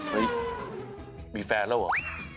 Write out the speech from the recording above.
เฮ้ยมีแฟนแล้วเหรอ